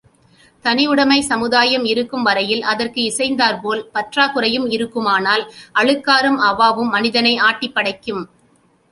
தனி உடைமைச் சமுதாயம் இருக்கும் வரையில் அதற்கு இசைந்தாற் போல் பற்றாக்குறையும் இருக்குமானால் அழுக்காறும் அவாவும் மனிதனை ஆட்டிப்படைக்கும்.